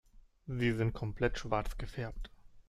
Sie sind komplett schwarz gefärbt.